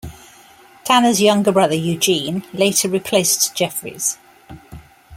Tanner's younger brother, Eugene, later replaced Jeffries.